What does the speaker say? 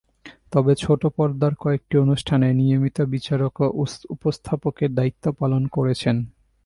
তবে ছোট পর্দার কয়েকটি অনুষ্ঠানে নিয়মিত বিচারক ও উপস্থাপকের দায়িত্ব পালন করেছেন।